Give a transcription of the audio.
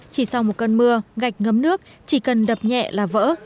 chỉ sau một cơn mưa gạch ngấm nước chỉ cần đập nhẹ là vỡ